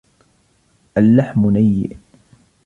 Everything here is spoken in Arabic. اللحم نيء.